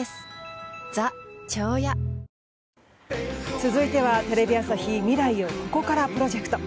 続いてはテレビ朝日未来をここからプロジェクト。